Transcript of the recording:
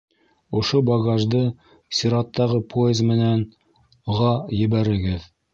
Ошо багажды сираттағы поезд менән...-ға ебәрегеҙ